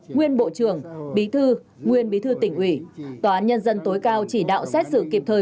nguyên bộ trưởng bí thư nguyên bí thư tỉnh ủy tòa án nhân dân tối cao chỉ đạo xét xử kịp thời